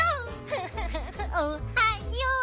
フフフフおはよう。